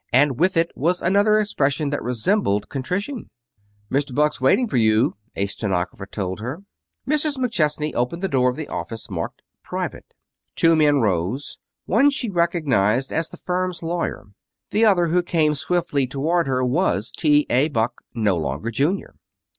And with it was another expression that resembled contrition. "Mr. Buck's waiting for you," a stenographer told her. Mrs. McChesney opened the door of the office marked "Private." Two men rose. One she recognized as the firm's lawyer. The other, who came swiftly toward her, was T. A. Buck no longer junior.